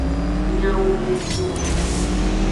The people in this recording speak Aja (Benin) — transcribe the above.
Nyawometoa.